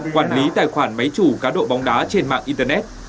quản lý tài khoản máy chủ cá độ bóng đá trên mạng internet